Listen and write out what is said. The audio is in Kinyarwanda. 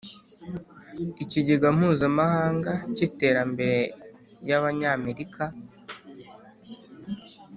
Ikigega Mpuzamahanga cy Iterambere y Abanyamerika